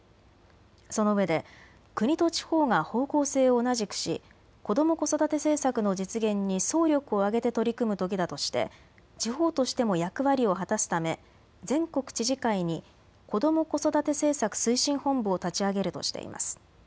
そのうえで国と地方が方向性を同じくし子ども・子育て政策の実現に総力を挙げて取り組むときだとして地方としても役割を果たすため全国知事会に子ども・子育て政策推進本部を立ち上げるとしています。